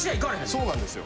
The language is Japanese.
そうなんですよ。